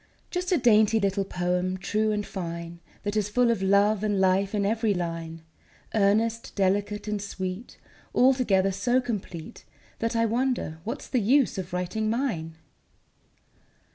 Just a dainty little poem, true and fine, That is full of love and life in every line, Earnest, delicate, and sweet, Altogether so complete That I wonder what's the use of writing mine.